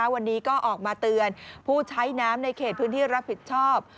วันนี้ก็ออกมาเตือนผู้ใช้น้ำในเขตพื้นที่รับผิดชอบ